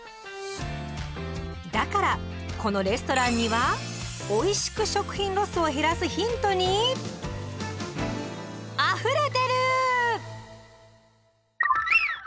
だからこのレストランにはおいしく食品ロスを減らすヒントにあふれてる！